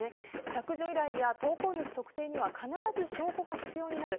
削除依頼や投稿主特定には必ず証拠が必要になる。